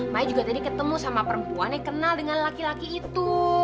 mai juga tadi ketemu sama perempuan yang kenal dengan laki laki itu